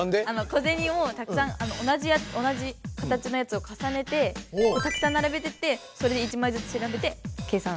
小銭をたくさん同じ形のやつをかさねてたくさんならべてってそれで１枚ずつしらべて計算。